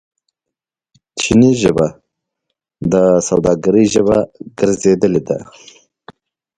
چیني ژبه د سوداګرۍ ژبه ګرځیدلې ده.